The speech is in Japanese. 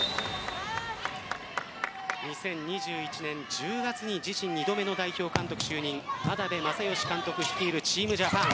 ２０２１年１０月に自身２度目の代表監督就任眞鍋政義監督率いるチームジャパン。